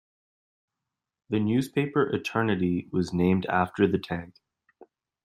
The newspaper "Eternity" was named after the tag.